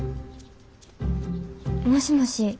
もしもし。